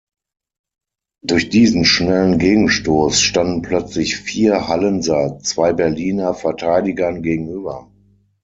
Durch diesen schnellen Gegenstoß standen plötzlich vier Hallenser zwei Berliner Verteidigern gegenüber.